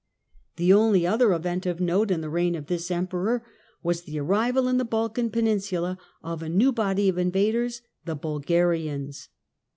The only other event of note in the reign of this Emperor was the arrival in the Balkan Peninsula of a new body of invaders, the Bul garians.